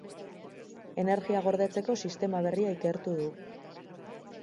Energia gordetzeko sistema berria ikertu du.